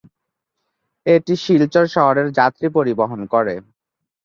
এটি শিলচর শহরের যাত্রী পরিবহন করে।